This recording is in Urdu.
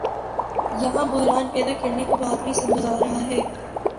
یہاں بحران پیدا کرنے کو بہادری سمجھا جا رہا ہے۔